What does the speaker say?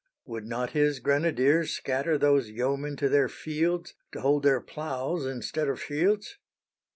Would not his grenadiers Scatter those yeomen to their fields, To hold their ploughs instead of shields?